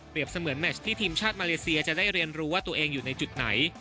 เสมือนแมชที่ทีมชาติมาเลเซียจะได้เรียนรู้ว่าตัวเองอยู่ในจุดไหน